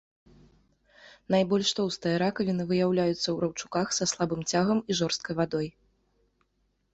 Найбольш тоўстыя ракавіны выяўляюцца ў раўчуках са слабым цягам і жорсткай вадой.